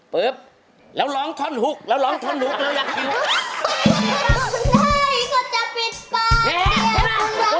ปุ๊บแล้วร้องทอนหุกแล้วยักษ์คิ้ว